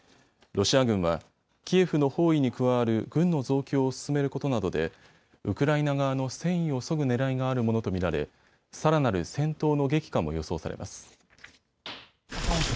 ロシア軍はキエフの包囲に加わる軍の増強を進めることなどでウクライナ側の戦意をそぐねらいがあるものと見られさらなる戦闘の激化も予想されます。